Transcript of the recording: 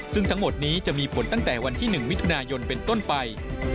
ซึ่งทั้งหมดนี้จะมีผลตั้งแต่วันที่๑มิถุนายนเป็นต้นไป